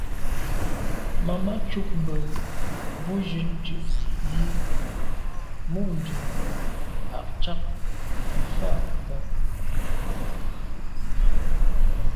Màmá cúp mbə̄ bù jún ndʉ̌ʼ jí mû’ndʉ̀ à’ cák fá bə̀k.